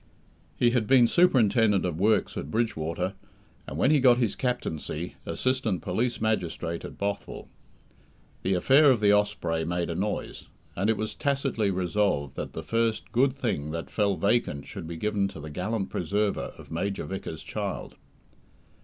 He had been Superintendent of Works at Bridgewater, and when he got his captaincy, Assistant Police Magistrate at Bothwell. The affair of the Osprey made a noise; and it was tacitly resolved that the first "good thing" that fell vacant should be given to the gallant preserver of Major Vickers's child.